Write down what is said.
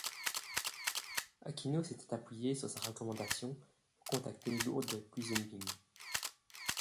Aquino s'était appuyée sur sa recommandation pour contacter Lourdes Quisumbing.